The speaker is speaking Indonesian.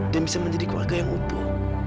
dan bisa menjadi keluarga yang upuh